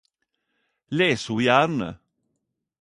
Les ho gjerne!